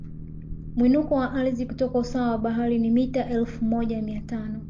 Mwinuko wa ardhi kutoka usawa wa bahari ni mita elfu moja mia tano